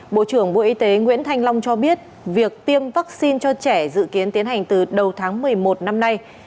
bộ trưởng bộ y tế nguyễn thanh long cho biết việc tiêm vaccine cho trẻ dự kiến tiến hành từ đầu tháng một mươi một năm nay